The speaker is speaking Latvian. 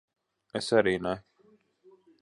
Es arī ne.